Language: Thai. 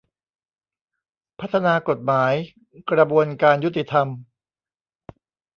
พัฒนากฎหมาย กระบวนการยุติธรรม